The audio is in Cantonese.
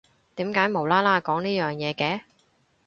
點解無啦啦講呢樣嘢嘅？